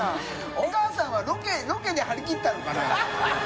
お母さんはロケで張り切ったのかな？